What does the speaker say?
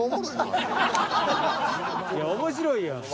いや面白いやん。